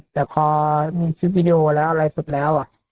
แต่พอมีทีมวีดีโอแล้วอะไรสุดแล้วอ่ะ